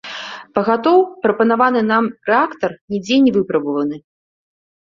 Пагатоў, прапанаваны нам рэактар нідзе не выпрабаваны.